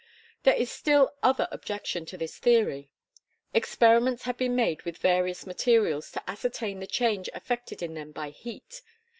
There is still other objection to this theory. Experiments have been made with various materials to ascertain the change affected in them by heat.